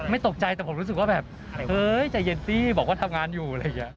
ไม่ตกใจแต่ผมรู้สึกว่าแบบเฮ้ยจัยเย็นตี้บอกว่าทำงานอยู่